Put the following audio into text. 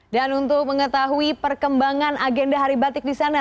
dan untuk mengetahui perkembangan agenda hari batik di sana